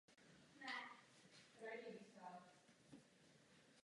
Část služeb a informací je také volně dostupná pro veřejnost.